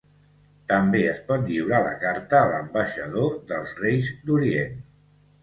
També es pot lliurar la carta a l'ambaixador dels Reis d'Orient.